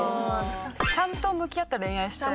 ちゃんと向き合った恋愛した人。